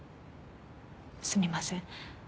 すみません。